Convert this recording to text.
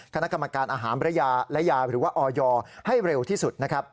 คณะกรรมการอาหารระยาและยาหรือว่าออยให้เร็วที่สุดนะครับ